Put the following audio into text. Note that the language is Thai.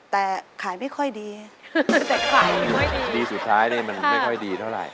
แต่ขายไม่ค่อยดีดีสุดท้ายเนี่ยมันไม่ค่อยดีเท่าไหร่